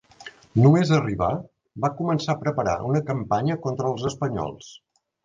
Només arribar va començar a preparar una campanya contra els espanyols.